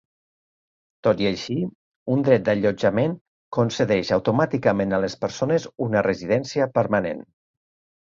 Tot i així, un dret d'allotjament concedeix automàticament a les persones una residència permanent.